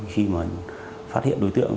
khi mà phát hiện đối tượng